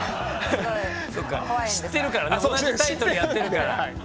そっか知ってるからね同じタイトルやってるから。